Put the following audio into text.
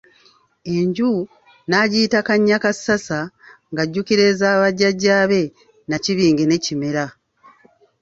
Enju n'agiyita Kannyakassasa ng'ajjukira eza bajjajja be Nnakibinge ne Kimera.